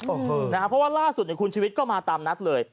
โอ้โหนะครับเพราะว่าล่าสุดคุณชูวิทย์ก็มาตามนัดเลย